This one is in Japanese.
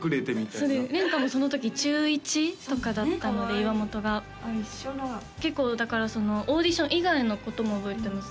そうです蓮加もそのとき中１とかだったので岩本が結構だからオーディション以外のことも覚えてます